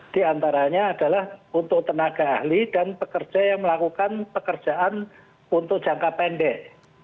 di antaranya adalah untuk tenaga ahli dan pekerja yang melakukan pekerjaan untuk jangka pendek